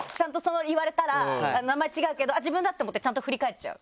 言われたら名前違うけど自分だって思ってちゃんと振り返っちゃう？